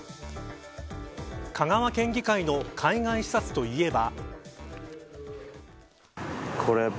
香川県議会の海外視察といえば。